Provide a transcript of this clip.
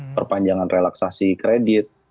perpanjangan relaksasi kredit